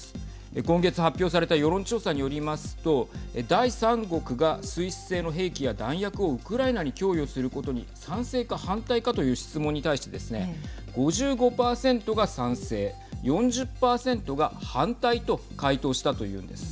今月発表された世論調査によりますと第３国がスイス製の兵器や弾薬をウクライナに供与することに賛成か反対かという質問に対してですね５５％が賛成４０％が反対と回答したと言うんです。